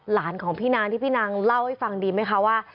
ของพี่นางที่พี่นางเล่าให้ฟังดีไหมคะว่า